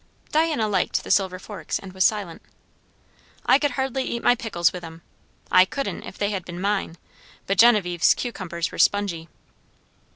Diana liked the silver forks, and was silent. "I could hardly eat my pickles with 'em. I couldn't, if they had been mine; but Genevieve's cucumbers were spongy."